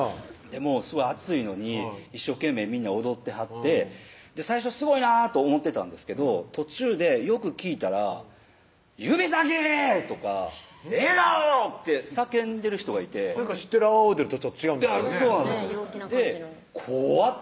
すごい暑いのに一生懸命みんな踊ってはって最初すごいなと思ってたんですけど途中でよく聞いたら「指先！」とか「笑顔！」って叫んでる人がいて知ってる阿波踊りとちょっと違うんですけどね怖！ってなりますよね